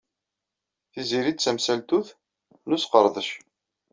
Tiziri ttamsaltut n usqerdec.